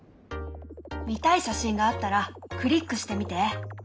見たい写真があったらクリックしてみて。